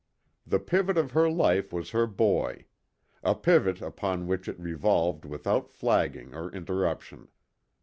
The pivot of her life was her boy. A pivot upon which it revolved without flagging or interruption.